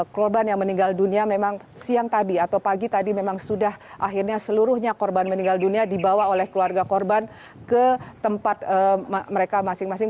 korban yang meninggal dunia memang siang tadi atau pagi tadi memang sudah akhirnya seluruhnya korban meninggal dunia dibawa oleh keluarga korban ke tempat mereka masing masing